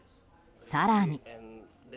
更に。